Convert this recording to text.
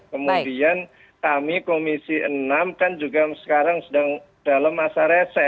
kemudian kami komisi enam kan juga sekarang sedang dalam masa resep